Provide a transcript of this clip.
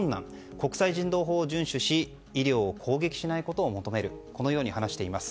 国際人道法を順守し医療を攻撃しないように求めると発表しています。